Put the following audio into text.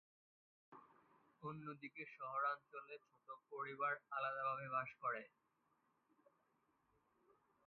অন্যদিকে শহরাঞ্চলে ছোট পরিবার আলাদাভাবে বাস করে।